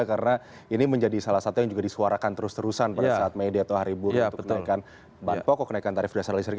karena ini menjadi salah satu yang juga disuarakan terus terusan pada saat media atau hari buruh untuk kenaikan bar pokok kenaikan tarif dasar